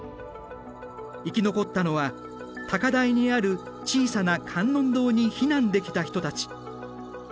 生き残ったのは高台にある小さな観音堂に避難できた人たち。